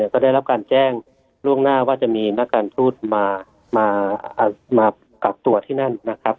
ก็ได้รับการแจ้งล่วงหน้าว่าจะมีหน้าการพูดกับตัวที่นั่น